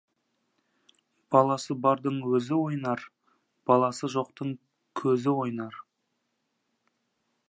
Баласы бардың өзі ойнар, баласы жоқтың көзі ойнар.